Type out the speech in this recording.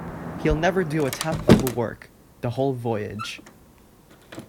He'll never do a tap of work the whole Voyage.